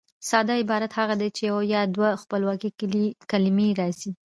ساده عبارت هغه دئ، چي یوه یا دوې خپلواکي کلیمې راسي.